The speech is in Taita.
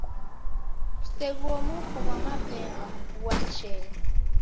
Kuseghuo mufu ghwa mapemba, ghua mchele.